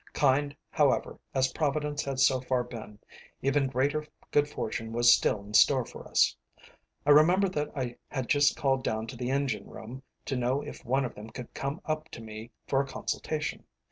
Kind, however, as Providence had so far been, even greater good fortune was still in store for us. I remember that I had just called down to the engine room to know if one of them could come up to me for a consultation.